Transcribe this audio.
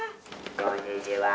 こんにちは。